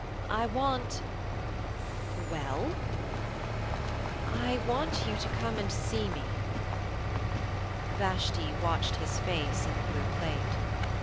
I want ' 'Well?' 'I want you to come and see me.' Vashti watched his face in the blue plate.